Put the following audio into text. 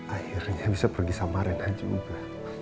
akhirnya bisa pergi sama reda juga